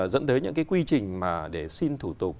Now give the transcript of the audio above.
dẫn tới những quy trình để xin thủ tục